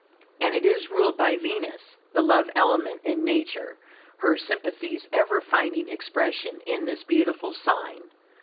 And it is ruled by Venus, the love element in Nature, her sympathies ever finding expression in this beautiful sign.